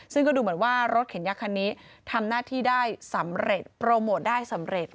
ซึ่งก็ดูเหมือนว่ารถเข็นยักษ์คันนี้ทำหน้าที่ได้สำเร็จโปรโมทได้สำเร็จ